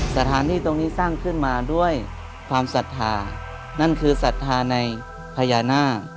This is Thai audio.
สถานที่ตรงนี้สร้างขึ้นมาด้วยความศรัทธานั่นคือศรัทธาในพญานาค